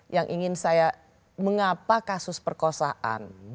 yang ingin saya mengapa kasus perkosaan